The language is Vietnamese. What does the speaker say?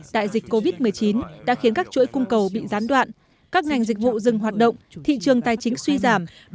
đại dịch covid một mươi chín đã khiến các chuỗi cung cầu bị gián đoạn các ngành dịch vụ dừng hoạt động thị trường tài chính suy giảm